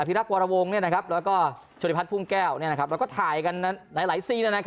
อภิรักษ์วรวงแล้วก็โชดิพัทรภูมิแก้วแล้วก็ถ่ายกันหลายซีน